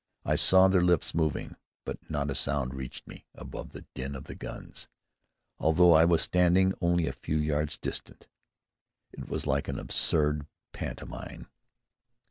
I saw their lips moving, but not a sound reached me above the din of the guns, although I was standing only a few yards distant. It was like an absurd pantomime.